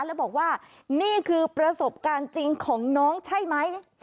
แล้วบอกว่านี่คือประสบการณ์จริงของน้องใช่ไหม